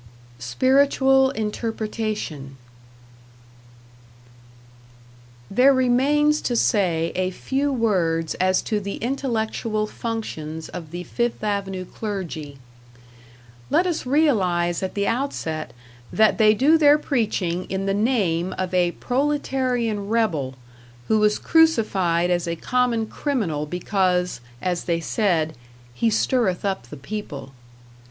#Spiritual Interpretation# There remains to say a few words as to the intellectual functions of the Fifth Avenue clergy. Let us realize at the outset that they do their preaching in the name of a proletarian rebel, who was crucified as a common criminal because, as they said, "He stirreth up the people."